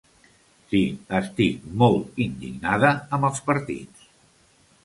Sí, estic molt indignada amb els partits.